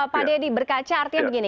pak deddy berkaca artinya begini